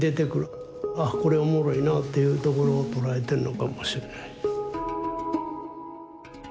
あっこれおもろいなっていうところを捉えてんのかもしれない。